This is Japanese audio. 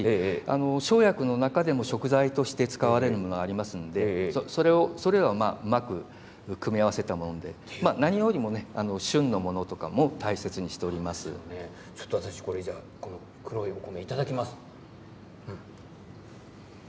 生薬の中でも食材として使われるものがありますのでそれをうまく組み合わせたもので何よりも旬のものを黒いお米いただきますね。